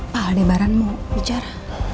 pak aldebaran mau bicara